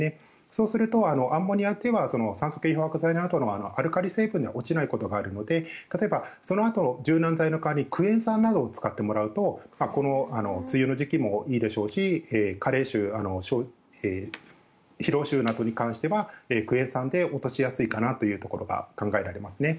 そうするとアンモニア臭は酸素系漂白剤などのアルカリ成分で落ちないことがあるので例えば、そのあと柔軟剤の代わりにクエン酸などを使ってもらうとこの梅雨の時期もいいでしょうし加齢臭、疲労臭などに関してはクエン酸で落としやすいかなというところが考えられますね。